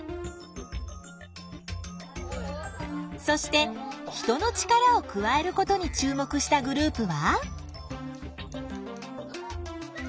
そして人の力を加えることに注目したグループは？